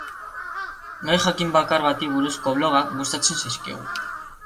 Gai jakin bakar bati buruzko blogak gustatzen zaizkigu.